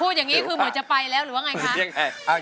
อย่างนี้คือเหมือนจะไปแล้วหรือว่าไงคะ